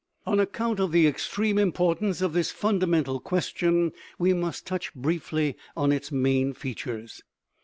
On ac count of the extreme importance of this fundamental question we must touch briefly on its main features.